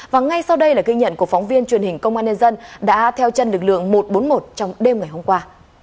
và ngay sau đây là ghi nhận của phóng viên truyền hình công an nhân dân đã theo chân lực lượng một trăm bốn mươi một trong đêm ngày hôm qua